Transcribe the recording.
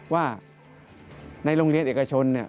ว่าในโรงเรียนเอกชน